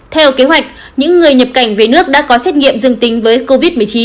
theo kế hoạch những người nhập cảnh về nước đã có xét nghiệm dương tính với covid một mươi chín